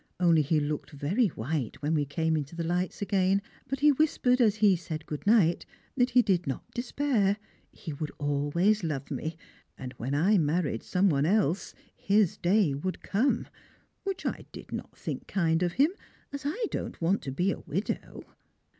Only he looked very white when we came into the lights again, but he whispered as he said good night that he did not despair; he would always love me, and when I married some one else his day would come, which I did not think kind of him, as I don't want to be a widow.